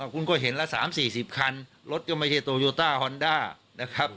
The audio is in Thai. คุณก็เห็นละ๓๔๐คันรถก็ไม่ใช่โตโยต้าฮอนด้านะครับ